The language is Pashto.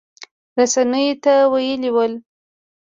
رسنیو ته ویلي ول